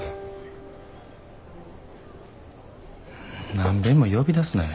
何べんも呼び出すなや。